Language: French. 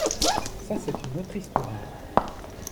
Ça, c’est une autre Histoire.